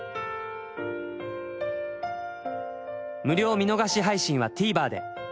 無料見逃し配信は ＴＶｅｒ で